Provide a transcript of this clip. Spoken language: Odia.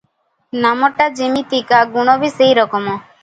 ନାମଟା ଯିମିତିକା, ଗୁଣ ବି ସେଇ ରକମ ।